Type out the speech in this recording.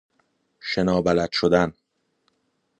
شنا بلد شدن